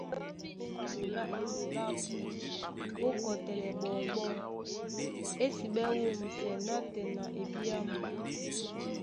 Ndɔ́mbí í maɓolá eɓoló ábū ó kɔtɛlɛ ɓɔmbɔ́, ésiɓɛ́ wûmsɛ nátɛna ebyámu.